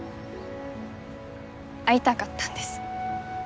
会いたかったんです。